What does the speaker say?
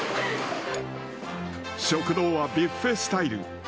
食堂はビュッフェスタイル。